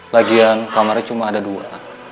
lagian kamarnya cuma ada dua